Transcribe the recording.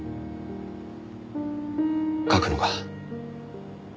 書くのか？